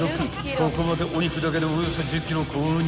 ［ここまでお肉だけでおよそ１０ｋｇ購入］